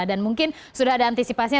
dan mungkin sudah ada antisipasinya